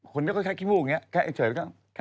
คนก็ค่อยขี้มูกอย่างนี้